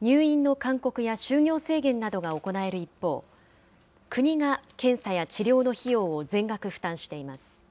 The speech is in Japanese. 入院の勧告や就業制限などが行える一方、国が検査や治療の費用を全額負担しています。